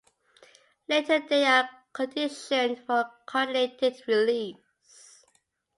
Later they are conditioned for coordinated release.